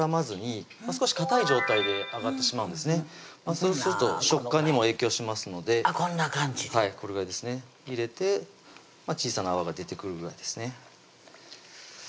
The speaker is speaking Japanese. そうすると食感にも影響しますのでこんな感じでこれぐらいですね入れて小さな泡が出てくるぐらいですね